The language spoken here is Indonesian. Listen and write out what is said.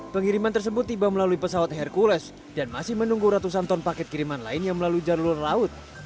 pengiriman tersebut tiba melalui pesawat hercules dan masih menunggu ratusan ton paket kiriman lain yang melalui jalur laut